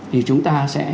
thì chúng ta sẽ